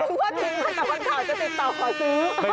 เพราะว่าทีมงานตะวันข่าวจะติดต่อขอซื้อ